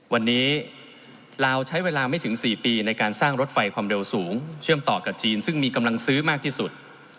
วันนี้ลาวใช้เวลาไม่ถึง๔ปีในการสร้างรถไฟความเร็วสูงเชื่อมต่อกับจีนซึ่งมีกำลังซื้อมากที่สุด